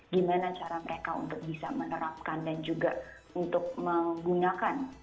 gimana cara mereka untuk bisa menerapkan dan juga untuk menggunakan